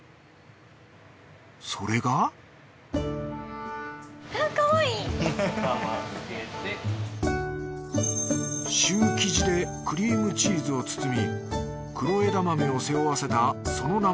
それがシュー生地でクリームチーズを包み黒枝豆を背負わせたその名もスワン。